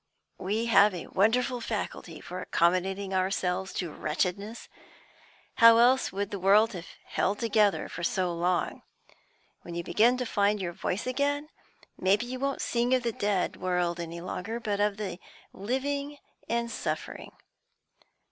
We have a wonderful faculty for accommodating ourselves to wretchedness; how else would the world have held together so long? When you begin to find your voice again, maybe you won't sing of the dead world any longer, but of the living and suffering.